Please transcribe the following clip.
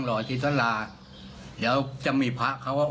เดี๋ยวจะมีพระเขาออกไป